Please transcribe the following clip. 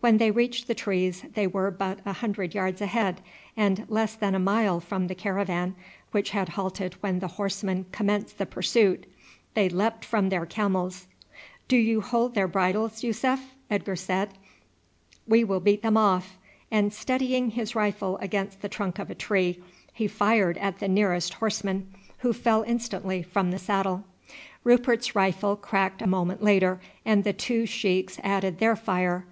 When they reached the trees they were but a hundred yards ahead and less than a mile from the caravan, which had halted when the horsemen commenced the pursuit. They leapt from their camels. "Do you hold their bridles, Yussuf," Edgar said; "we will beat them off," and steadying his rifle against the trunk of a tree he fired at the nearest horseman, who fell instantly from the saddle. Rupert's rifle cracked a moment later, and the two sheiks added their fire.